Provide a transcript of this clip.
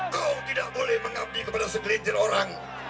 kau tidak boleh mengabdi kepada segelintir orang